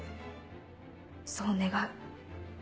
そう願う。